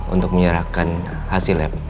untuk menyerahkan hasil lab